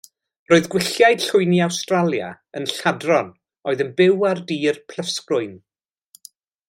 Roedd Gwylliaid Llwyni Awstralia yn lladron oedd yn byw ar dir prysglwyn.